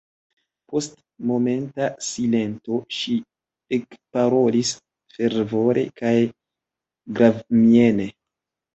Post momenta silento ŝi ekparolis fervore kaj gravmiene: